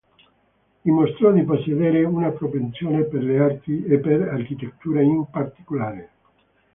Dimostrò di possedere una propensione per le arti e per architettura in particolare.